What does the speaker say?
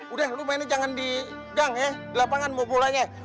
udah lu mainnya jangan diganggok ya di lapangan mau bolanya